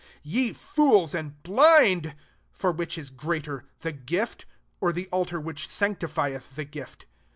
19 Ye [fools, and] blind for which is greater; the gii or the altar which sanctifiei the gift